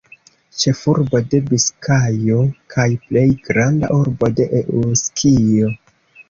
Ĉefurbo de Biskajo kaj plej granda urbo de Eŭskio.